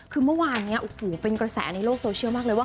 คือเมื่อวานนี้โอ้โหเป็นกระแสในโลกโซเชียลมากเลยว่า